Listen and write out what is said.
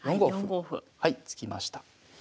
はい突きました。